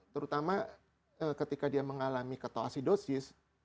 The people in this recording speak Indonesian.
terutama ketika dia mengalami ketoasidosis